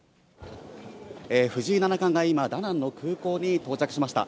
藤井七冠が今、ダナンの空港に到着しました。